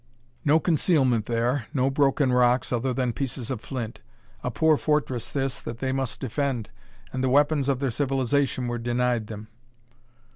No concealment there; no broken rocks, other than pieces of flint; a poor fortress, this, that they must defend! And the weapons of their civilization were denied them.